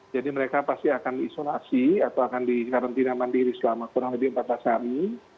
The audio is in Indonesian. jadi mereka pasti akan diisolasi atau akan dikarantina mandiri selama kurang lebih empat belas hari